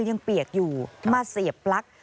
เปียกอยู่มาเสียบปลั๊ก